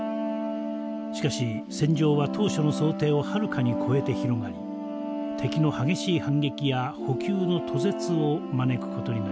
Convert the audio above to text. しかし戦場は当初の想定をはるかに超えて広がり敵の激しい反撃や補給の途絶を招く事になります。